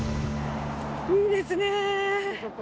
いいですね。